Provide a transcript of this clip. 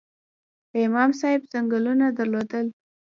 امام صاحب ځنګلونه درلودل؟